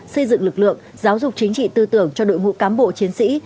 xây dựng lực lượng giáo dục chính trị tư tưởng cho đội ngũ cán bộ chiến sĩ